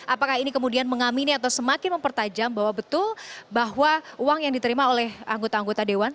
apakah ini kemudian mengamini atau semakin mempertajam bahwa betul bahwa uang yang diterima oleh anggota anggota dewan